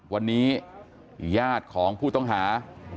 วันนี้ญาติของผู้ต้องหา